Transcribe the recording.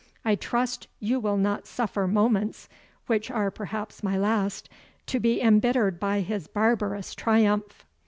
I trust you will not suffer moments, which are perhaps my last, to be embittered by his barbarous triumph."